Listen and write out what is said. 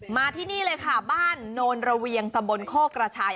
มาที่นี่เลยค่ะบ้านโนนระเวียงตำบลโคกระชาย